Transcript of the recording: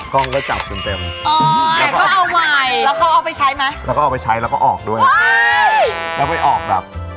กล้องก็จับเต็ม